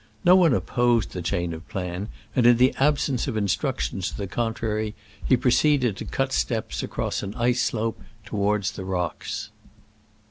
No one op posed the change of plan, and in the absence of instructions to the contrary he proceeded to cut steps across an ice slope toward the rocks.